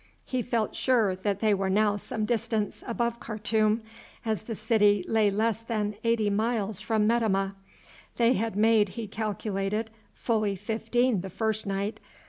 He felt sure that they were now some distance above Khartoum, as the city lay less than eighty miles from Metemmeh; they had made, he calculated, fully fifteen the first night.